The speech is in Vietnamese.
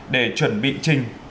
để chuẩn bị trình